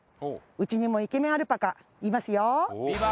うちにもイケメンアルパカいますよ